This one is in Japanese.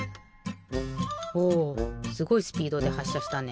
おすごいスピードではっしゃしたね。